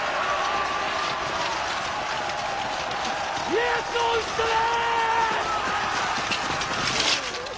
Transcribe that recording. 家康を討ち取れ！